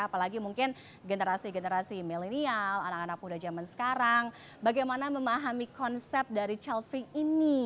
apalagi mungkin generasi generasi milenial anak anak muda zaman sekarang bagaimana memahami konsep dari childving ini